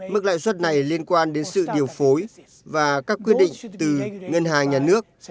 mức lãi suất này liên quan đến sự điều phối và các quyết định từ ngân hàng nhà nước